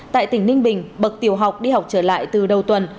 tại tỉnh ninh bình bậc tiểu học đi học trở lại từ đầu tuần